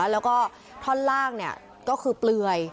แล้วก็ท่อนล่างก็คือเปลือย